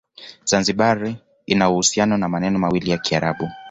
Zanzibar ina uhusiano na maneno mawili ya Kiarabu.